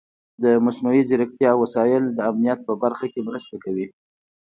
د مصنوعي ځیرکتیا وسایل د امنیت په برخه کې مرسته کوي.